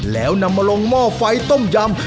แล้วนำมาลงหม้อไฟต้มยำ